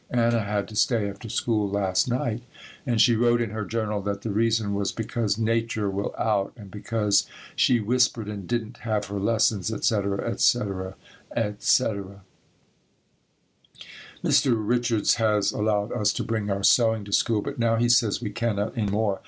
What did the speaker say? Anna had to stay after school last night and she wrote in her journal that the reason was because "nature will out" and because "she whispered and didn't have her lessons, etc., etc., etc." Mr. Richards has allowed us to bring our sewing to school but now he says we cannot any more.